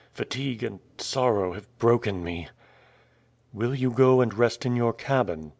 Fatigue and sorrow have broken me." "Will you go and rest in your cabin?"